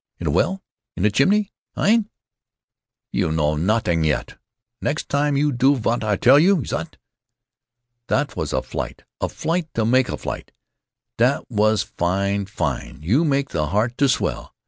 In a well? In a chimney? Hein? You know naut'ing yet. Next time you do what I tal' you. Zut! That was a flight, a flight, you make a flight, that was fine, fine, you make the heart to swell.